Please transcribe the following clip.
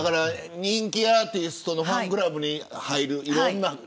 人気アーティストのファンクラブに入る。